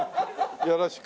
よろしく。